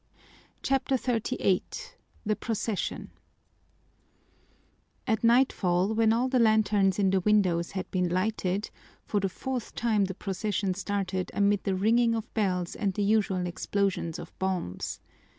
CHAPTER XXXVIII The Procession At nightfall, when all the lanterns in the windows had been lighted, for the fourth time the procession started amid the ringing of bells and the usual explosions of bombs.